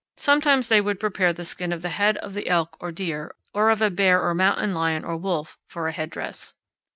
Sometimes they would prepare the skin of the head of the elk or deer, or of a bear or mountain lion or wolf, for a headdress.